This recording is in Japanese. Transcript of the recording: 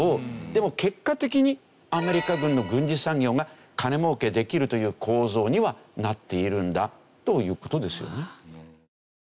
でも結果的にアメリカ軍の軍需産業が金もうけできるという構造にはなっているんだという事ですよね。